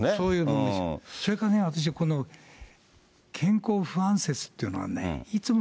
それから私、健康不安説っていうのはね、いつも、